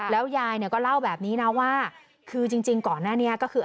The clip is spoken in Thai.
แล้วยายเนี่ยก็เล่าแบบนี้นะว่าคือจริงก่อนหน้านี้ก็คือ